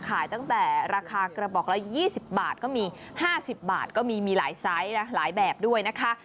ขายตั้งแต่ราคากระบอกละ๒๐บาทก็มี๕๐บาทก็มีหลายไซส์หลายแบบด้วยนะคะ